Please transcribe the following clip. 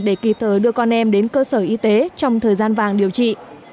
để kịp thời đưa con em đến cơ sở y tế trong thời gian vàng điều trị